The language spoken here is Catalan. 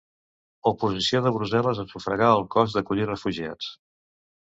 Oposició de Brussel·les a sufragar el cost d'acollir refugiats